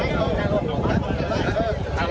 สวัสดีครับสวัสดีครับ